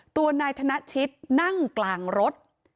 ตัวนายธนชิตนั่งกลางรถ